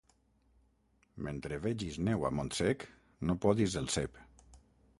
Mentre vegis neu a Montsec, no podis el cep.